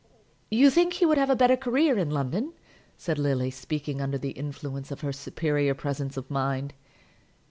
"You think he would have a better career in London?" said Lily, speaking under the influence of her superior presence of mind.